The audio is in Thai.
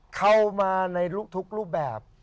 เข้ามาในทุกรูปแบบ